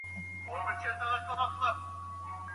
په لاس خط لیکل د ستړیا په وخت کي ذهن بوخت ساتي.